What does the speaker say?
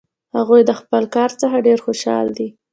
هغوی له خپل کار څخه ډېر خوشحال دي